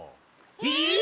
えっ！？